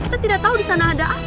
kita tidak tahu disana ada apa